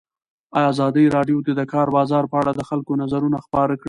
ازادي راډیو د د کار بازار په اړه د خلکو نظرونه خپاره کړي.